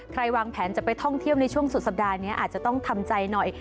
วางแผนจะไปท่องเที่ยวในช่วงสุดสัปดาห์นี้อาจจะต้องทำใจหน่อย